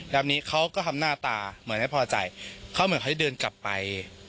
แบบนี้เขาก็ทำหน้าตาเหมือนไม่พอใจเขาเหมือนเขาจะเดินกลับไป